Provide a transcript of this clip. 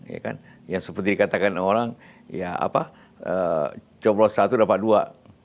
ya kan yang seperti dikatakan orang ya apa coblos satu dapat dua